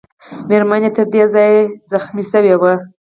مېرمن یې تر ده زیاته ټپي شوې وه.